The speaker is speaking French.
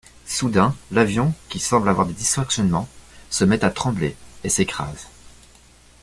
Soudain l'avion, qui semble avoir des dysfonctionnements, se met à trembler et s'écrase.